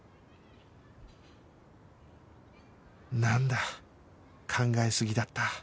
なんだ考えすぎだった